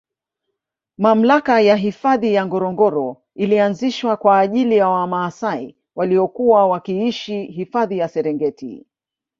Mamlaka ya hifadhi ya Ngorongoro ilianzishwa kwaajili ya wamaasai waliokuwa wakiishi hifahi ya Serengeti